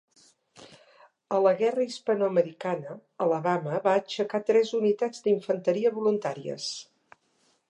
A la guerra hispanoamericana, Alabama va aixecar tres unitats d'infanteria voluntàries.